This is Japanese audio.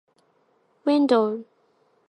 window